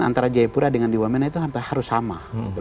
antara jayapura dengan di wamena itu hampir harus sama